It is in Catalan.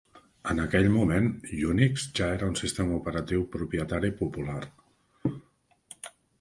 En aquell moment, Unix ja era un sistema operatiu propietari popular.